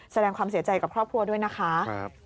แสดงความเสียใจกับครอบครัวด้วยนะคะ